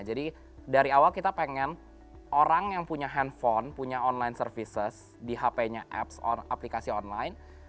jadi dari awal kita pengen orang yang punya handphone punya online services di hp nya apps aplikasi online